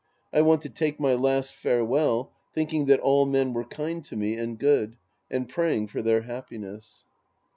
I want to take my last farewell thinking that all men were kind to me and good, and praying for their happiness.